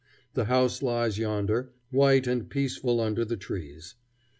The house lies yonder, white and peaceful under the trees.